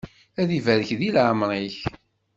Ad ibarek di leεmeṛ-ik!